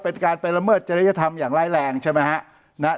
เป็นการไประเบิดจริยธรรมอย่างไร้แรงใช่ไหมฮะนะฮะ